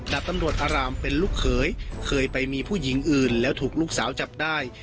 ตำรวจอารามเป็นลูกเขยเคยไปมีผู้หญิงอื่นแล้วถูกลูกสาวจับได้